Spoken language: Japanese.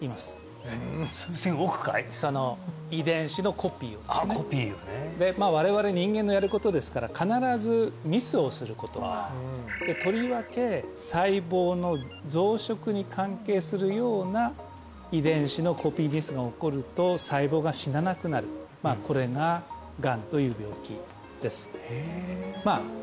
あコピーをねでまあ我々人間のやることですからとりわけ細胞の増殖に関係するような遺伝子のコピーミスが起こると細胞が死ななくなるこれががんという病気ですまあ